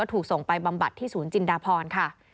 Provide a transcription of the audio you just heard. ทำบัตรที่ศูนย์จินดาพรค่ะ